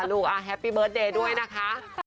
ลูกแฮปปี้เบิร์ตเดย์ด้วยนะคะ